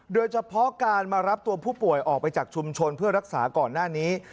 โดยเฉพาะการมารับตัวผู้ป่วยออกไปจากชุมชนเพื่อรักษาก่อนหน้านี้